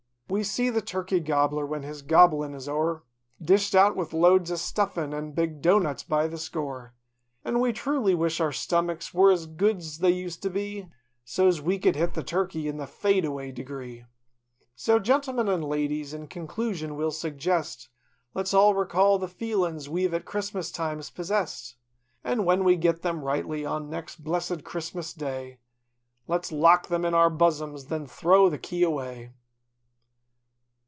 We see the turkey gobbler—when his gobble in is o'er. Dished out with loads of stuffin' an' big doughnuts by the score; 216 An' we truly wish our stomachs were as good's they used to be, So's we could hit the turkey in the "fade away" degree. So, gentlemen an' ladies, in conclusion we'll suggest. Let's all recall the feelins we've at Christmas times possessed. An' when we git them rightly on next blessed Christmas Day, Let's lock them in our bossoms an' then throw the key away.